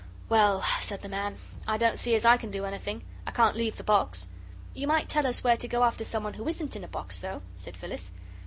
"Well," said the man, "I don't see as I can do anything. I can't leave the box." "You might tell us where to go after someone who isn't in a box, though," said Phyllis.